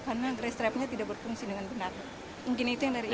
karena grass trapnya tidak berfungsi dengan benar